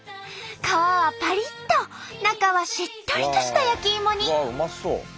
皮はパリッと中はしっとりとした焼きイモに。